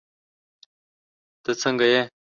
تہ سنګه یی